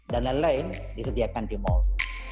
dan lain lain disediakan di mal